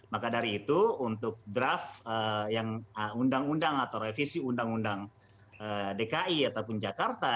maka dari itu untuk draft yang undang undang atau revisi undang undang dki ataupun jakarta